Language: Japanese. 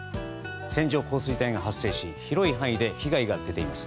線状降水帯が発生し広い範囲で被害が出ています。